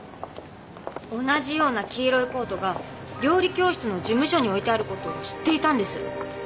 同じような黄色いコートが料理教室の事務所に置いてあることを知っていたんです。